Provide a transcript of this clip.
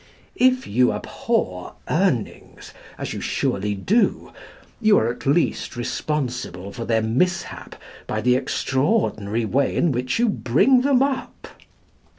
If you abhor Urnings, as you surely do, you are at least responsible for their mishap by the extraordinary way in which you bring them up.